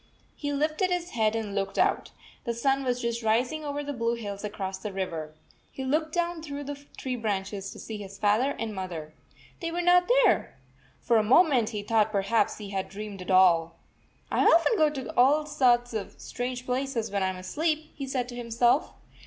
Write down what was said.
He lifted his head and looked out. The sun was just rising over the blue hills across the river. He looked down through the tree branches to see his father and mother. They were not there ! For a moment he 69 thought perhaps he had dreamed it all. "I often go to all sorts of strange places when I am asleep," he said to himself.